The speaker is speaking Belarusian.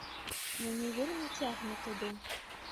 Мяне вельмі цягне туды.